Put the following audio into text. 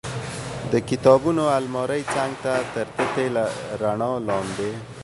د کتابونو المارۍ څنګ ته تر تتې رڼا لاندې.